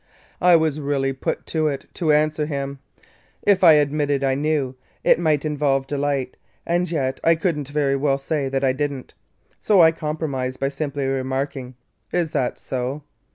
"I was really put to it to answer him. If I admitted I knew, it might involve Delight, and yet I could n't very well say I did n't. So I compromised by simply remarking, 'Is that so?'